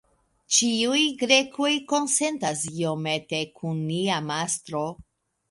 Ĉiuj Grekoj konsentas iomete kun nia mastro.